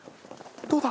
どうだ？